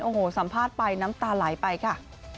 โอ้โหสัมภาษณ์ไปน้ำตาไหลไปค่ะ